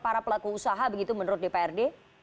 para pelaku usaha begitu menurut dprd